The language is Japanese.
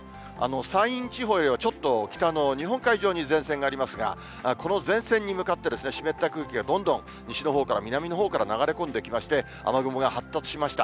山陰地方よりはちょっと北の日本海上に前線がありますが、この前線に向かって湿った空気がどんどん西のほうから南のほうから流れ込んできまして、雨雲が発達しました。